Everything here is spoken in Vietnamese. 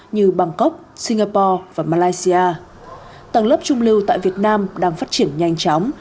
như bangkok singapore và malaysia tầng lớp trung lưu tại việt nam đang phát triển nhanh chóng